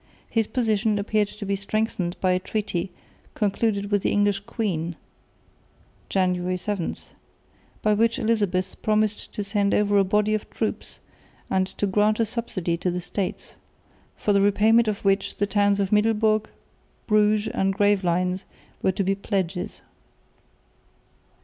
His position appeared to be strengthened by a treaty concluded with the English queen (January 7) by which Elizabeth promised to send over a body of troops and to grant a subsidy to the States, for the repayment of which the towns of Middelburg, Bruges and Gravelines were to be pledges.